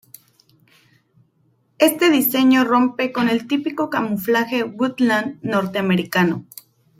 Este diseño rompe con el típico camuflaje "Woodland" norteamericano.